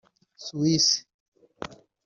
Suisse